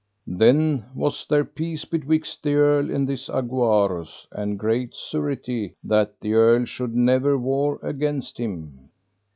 Then was there peace betwixt the earl and this Aguarus, and great surety that the earl should never war against him.